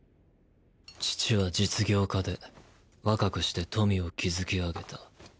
父は実業家で若くして富を築き上げた。